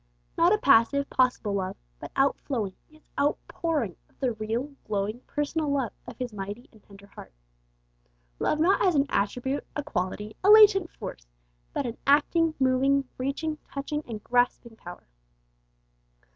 Not a passive, possible love, but outflowing, yes, outpouring of the real, glowing, personal love of His mighty and tender heart. Love not as an attribute, a quality, a latent force, but an acting, moving, reaching, touching, and grasping power.